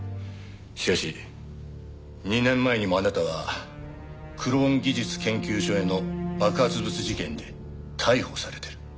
しかし２年前にもあなたはクローン技術研究所への爆発物事件で逮捕されてる。